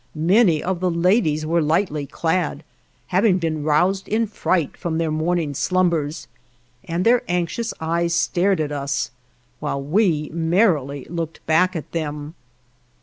Many of the ladies were lightly clad, having been roused in fright from their morning slumbers, and their anxious eyes stared at us, while we merrily looked back at them.